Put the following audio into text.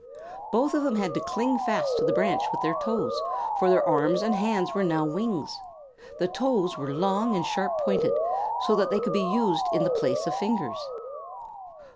Both of them had to cling fast to the branch with their toes, for their arms and hands were now wings. The toes were long and sharp pointed, so that they could be used in the place of fingers.